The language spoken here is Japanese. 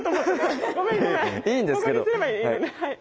いいんですけど。